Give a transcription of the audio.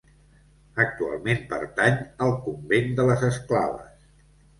Actualment pertany al Convent de les Esclaves.